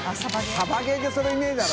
サバゲーでそれねぇだろ。